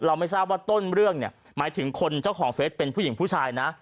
ไม่ทราบว่าต้นเรื่องเนี่ยหมายถึงคนเจ้าของเฟสเป็นผู้หญิงผู้ชายนะ